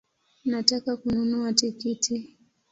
Nataka kununua tikiti